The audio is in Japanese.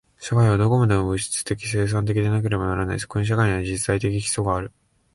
社会はどこまでも物質的生産的でなければならない。そこに社会の実在的基礎がある。